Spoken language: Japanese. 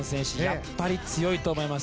やっぱり強いと思います。